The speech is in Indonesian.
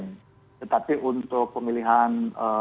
tetapi untuk pemilihan